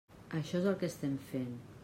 Això és el que estem fent.